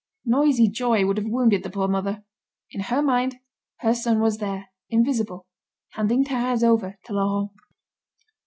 Noisy joy would have wounded the poor mother. In her mind, her son was there, invisible, handing Thérèse over to Laurent.